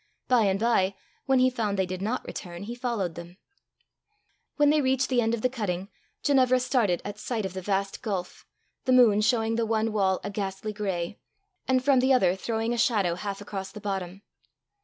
By and by, when he found they did not return, he followed them. When they reached the end of the cutting, Ginevra started at sight of the vast gulf, the moon showing the one wall a ghastly gray, and from the other throwing a shadow half across the bottom.